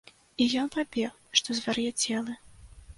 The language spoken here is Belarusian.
І ён пабег, што звар'яцелы.